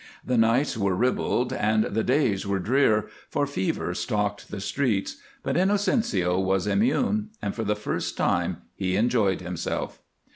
The nights were ribald and the days were drear, for fever stalked the streets, but Inocencio was immune, and for the first time he enjoyed himself.